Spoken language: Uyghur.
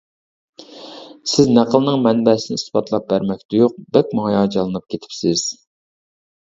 سىز نەقىلنىڭ مەنبەسىنى ئىسپاتلاپ بەرمەكتە يوق بەكمۇ ھاياجانلىنىپ كېتىپسىز.